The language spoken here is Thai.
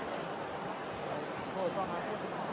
สวัสดีครับ